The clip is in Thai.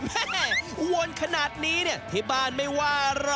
วนขนาดนี้เนี่ยที่บ้านไม่ว่าหรอก